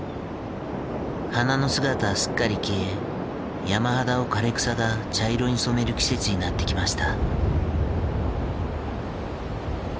花の姿はすっかり消え山肌を枯れ草が茶色に染める季節になってきました。